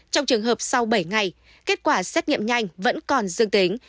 trong trường hợp sau bảy ngày kết quả xét nghiệm nhanh vẫn còn dương tính